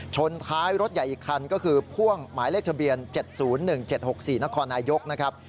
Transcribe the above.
ชนท้ายรถใหญ่อีกคันก็คือพ่วงหมายเลขทะเบียน๗๐๑๗๖๔นครนายกนะครับ